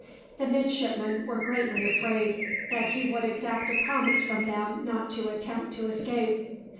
The midshipmen were greatly afraid that he would exact a promise from them not to attempt to escape.